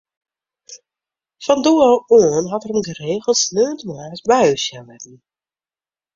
Fan doe ôf oan hat er him geregeld sneontemoarns by ús sjen litten.